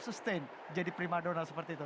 sustain jadi prima dona seperti itu